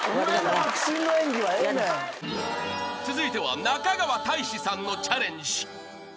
［続いては中川大志さんのチャレンジ］